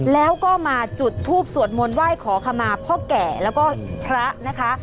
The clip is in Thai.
แล้วก็มาจุดทูปสวดมนต์ไหว้ขอขมาพ่อแก่แล้วก็พระนะคะ